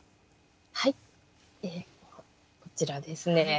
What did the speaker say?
はいこちらですね。